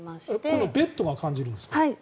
このベッドが感知するんですか？